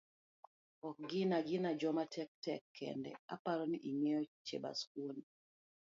ok gina gina joma tek tek kende, aparo ni ingeyo Chebaskwony.